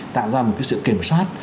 tạo ra một cái sự kiểm soát